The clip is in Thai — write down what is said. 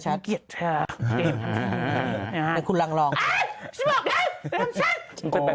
ฉันบอกเลยเป็นฉัน